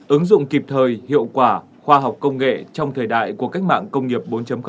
ứng dụng kịp thời hiệu quả khoa học công nghệ trong thời đại của cách mạng công nghiệp bốn